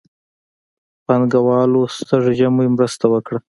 پانګهوالو سږ ژمی مرسته وکړه.